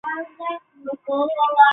辖区内内有许多马牧场。